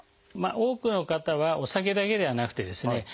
多くの方はお酒だけではなくてですね